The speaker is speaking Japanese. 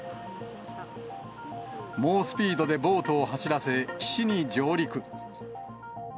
猛スピードでボートを走らせ、岸に上陸。